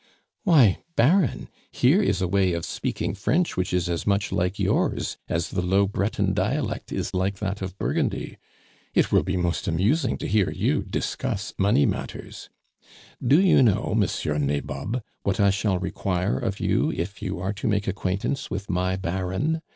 "Why, Baron, here is a way of speaking French which is as much like yours as the low Breton dialect is like that of Burgundy. It will be most amusing to hear you discuss money matters. Do you know, Monsieur Nabob, what I shall require of you if you are to make acquaintance with my Baron?"